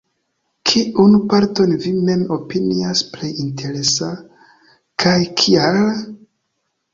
Kiun parton vi mem opinias plej interesa, kaj kial?